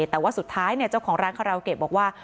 แต่ว่าสุดท้ายเจ้าของร้านคาราโอเกะบอกว่า